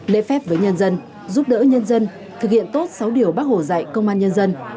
lễ phép với nhân dân giúp đỡ nhân dân thực hiện tốt sáu điều bác hồ dạy công an nhân dân